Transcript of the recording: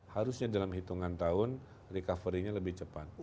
harusnya dalam hitungan tahun recovery nya lebih cepat